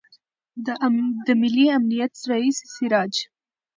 د ملي امنیت رئیس سراج